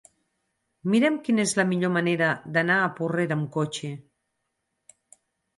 Mira'm quina és la millor manera d'anar a Porrera amb cotxe.